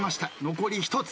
残り１つ。